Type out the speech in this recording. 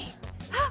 あ！